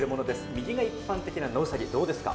右が一般的なノウサギですがどうですか？